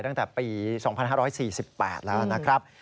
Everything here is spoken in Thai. ตั้งแต่ปี๒๕๔๘แล้วนะครับ